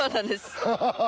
ハハハハハ。